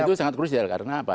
itu sangat krusial karena apa